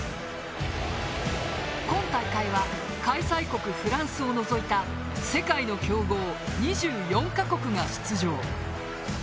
今大会は開催国フランスを除いた世界の強豪２４か国が出場。